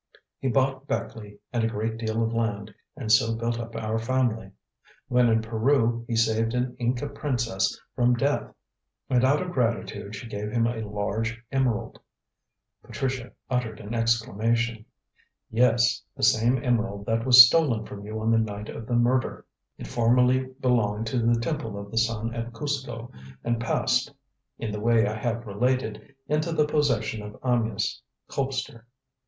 He bought Beckleigh and a great deal of land, and so built up our family. When in Peru he saved an Inca princess from death, and out of gratitude she gave him a large emerald." Patricia uttered an exclamation. "Yes, the same emerald that was stolen from you on the night of the murder. It formerly belonged to the Temple of the Sun at Cuzco, and passed, in the way I have related, into the possession of Amyas Colpster.